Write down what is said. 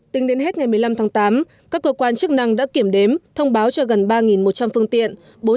tính đến hết ngày một mươi năm tháng tám các cơ quan chức năng đã kiểm đếm thông báo cho gần ba một trăm linh phương tiện